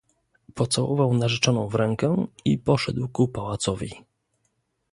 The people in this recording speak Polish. "Pocałował narzeczoną w rękę i poszedł ku pałacowi."